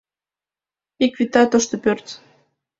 Ик вӱта, тошто пӧрт.